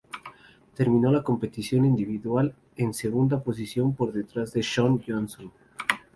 Terminó la competición individual en segunda posición por detrás de Shawn Johnson.